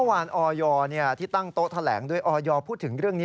ยอมรับว่าการตรวจสอบเพียงเลขอยไม่สามารถทราบได้ว่าเป็นผลิตภัณฑ์ปลอม